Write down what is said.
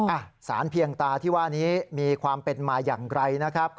อ่ะสารเพียงตาที่ว่านี้มีความเป็นมาอย่างไรนะครับ